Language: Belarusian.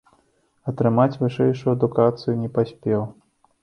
Атрымаць вышэйшую адукацыю не паспеў.